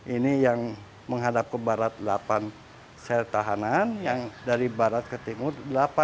ini yang menghadap ke barat delapan sertahanan yang dari barat ke timur delapan